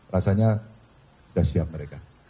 rasanya sudah siap mereka